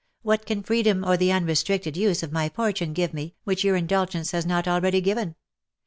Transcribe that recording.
What can freedom or the unrestricted use of my fortune give me, which your indulgence has not already given